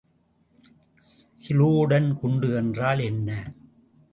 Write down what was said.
Kiloton குண்டு என்றால் என்ன?